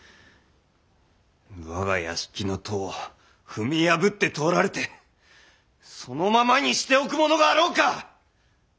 我が屋敷の戸を踏み破って通られてそのままにしておく者があろうか！